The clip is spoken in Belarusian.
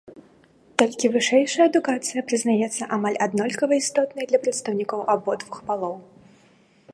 Толькі вышэйшая адукацыя прызнаецца амаль аднолькава істотнай для прадстаўнікоў абодвух полаў.